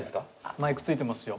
マイクついてますよ。